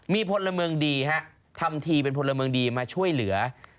มีพลเมืองดีฮะทำทีเป็นพลเมืองดีมาช่วยเหลือ